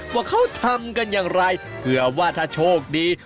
ว่าเขาทำกันอย่างไรเผื่อว่าถ้าโชคดี